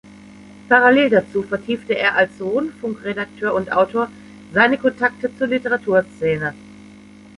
Parallel dazu vertiefte er als Rundfunkredakteur und Autor seine Kontakte zur Literaturszene.